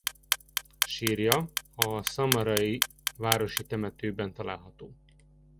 Sírja a szamarai városi temetőben található.